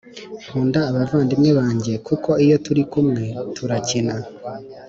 Nkunda aba vandimwe banjye kuko iyo turi kumwe tura kina